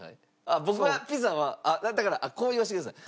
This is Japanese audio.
僕はピザはあっだからこう言わせてください。